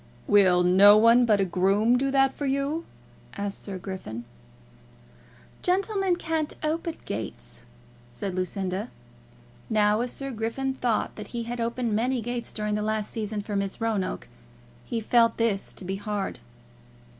"Will no one but a groom do that for you?" asked Sir Griffin. "Gentlemen can't open gates," said Lucinda. Now, as Sir Griffin thought that he had opened many gates during the last season for Miss Roanoke, he felt this to be hard.